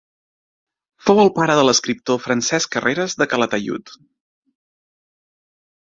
Fou el pare de l'escriptor Francesc Carreres de Calatayud.